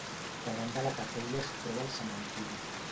Davant de la capella es troba el cementiri.